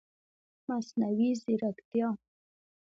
مصنوعي ځرکتیا